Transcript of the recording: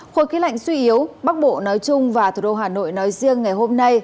khối khí lạnh suy yếu bắc bộ nói chung và thủ đô hà nội nói riêng ngày hôm nay